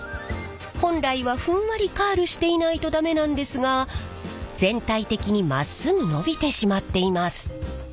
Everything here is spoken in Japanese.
本来はふんわりカールしていないとダメなんですが全体的にまっすぐのびてしまっています。